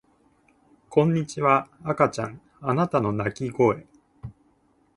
こんにちは赤ちゃんあなたの泣き声